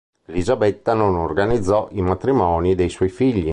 Elisabetta non organizzò i matrimoni dei suoi figli.